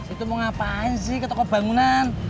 itu mau ngapain sih ke toko bangunan